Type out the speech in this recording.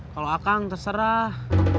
kalau akang terserah